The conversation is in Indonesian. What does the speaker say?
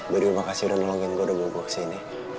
buat terima kasih udah nolongin gue udah bawa gue kesini